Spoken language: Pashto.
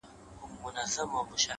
• چي به پورته د غوايی سولې رمباړي ,